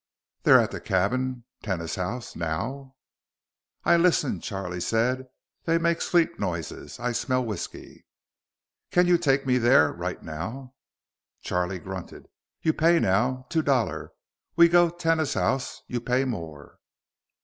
"They're at the cabin, tenas house, now?" "I listen," Charlie said. "They make sleep noises. I smell whisky." "Can you take me there? Right now?" Charlie grunted. "You pay now. Two dollar. We go tenas house, you pay more."